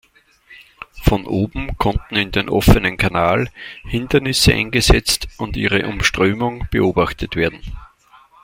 Von oben konnten in den offenen Kanal Hindernisse eingesetzt und ihre Umströmung beobachtet werden.